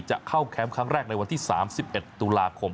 จะเข้าแคมป์ครั้งแรกในวันที่๓๑ตุลาคม